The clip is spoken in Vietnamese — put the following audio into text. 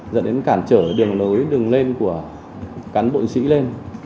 dẫn đến cản trở đường nối đường lên của cán bộ nhân sĩ lên